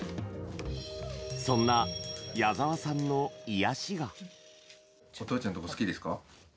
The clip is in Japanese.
そんな矢澤さんの癒やしが。